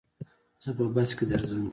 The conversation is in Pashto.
زه په بس کي درځم.